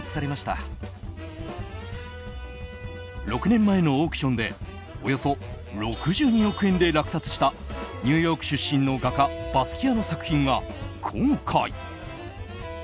６年前のオークションでおよそ６２億円で落札したニューヨーク出身の画家バスキアの作品が、今回。